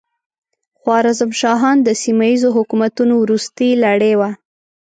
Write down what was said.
خوارزم شاهان د سیمه ییزو حکومتونو وروستۍ لړۍ وه.